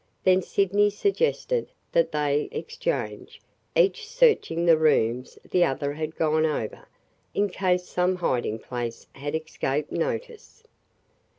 Then Sydney suggested that they exchange, each searching the rooms the other had gone over, in case some hiding place had escaped notice.